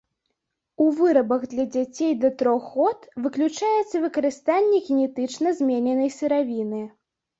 У вырабах для дзяцей да трох год выключаецца выкарыстанне генетычна змененай сыравіны.